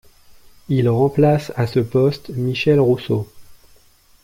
Il remplace à ce poste Michel Rousseau.